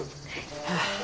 はあ。